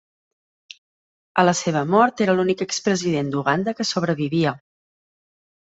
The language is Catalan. A la seva mort era l'únic expresident d'Uganda que sobrevivia.